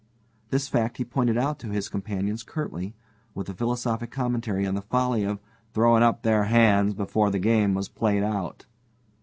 This fact he pointed out to his companions curtly, with a philosophic commentary on the folly of "throwing up their hand before the game was played out."